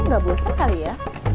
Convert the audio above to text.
nggak bosan kali ya